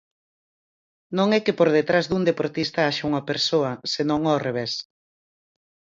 Non é que por detrás dun deportista haxa unha persoa, senón ao revés.